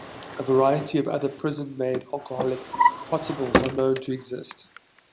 A variety of other prison-made alcoholic potables are known to exist.